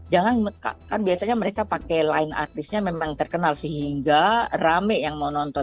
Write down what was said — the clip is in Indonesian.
jangan kan biasanya mereka pakai line artisnya memang terkenal sehingga rame yang mau nonton